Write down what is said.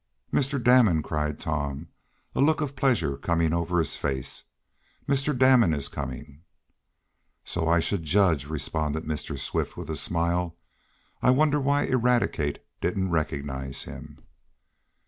"Mr. Damon!" cried Tom, a look of pleasure coming over his face. "Mr. Damon is coming!" "So I should judge," responded Mr. Swift, with a smile. "I wonder why Eradicate didn't recognize him?"